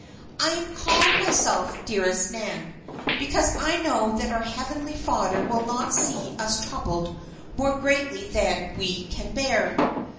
I am calm myself, dearest Nan, because I know that our Heavenly Father will not see us troubled more greatly than we can bear.